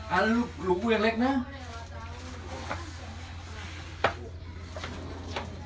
อันตัวเมล็ดขึ้นแล้วลูก